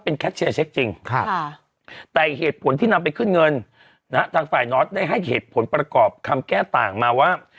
เพื่อขึ้นเงินนะฮะทางฝ่ายน้อตต์ได้ให้เหตุผลประกอบคำแก้ต่างมาว่า